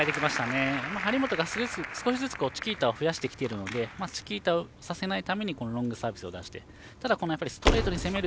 張本が少しずつチキータを増やしてきているのでチキータをさせないためにロングサービスを出している。